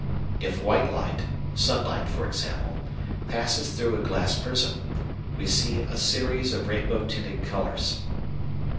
If white light (sunlight, for example) passes through a glass prism, we see a series of rainbow tinted colours.